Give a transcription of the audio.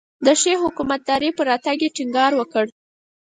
د ښې حکومتدارۍ پر راتګ یې ټینګار وکړ.